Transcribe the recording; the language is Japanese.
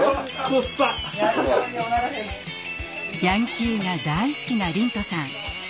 ヤンキーが大好きな龍翔さん。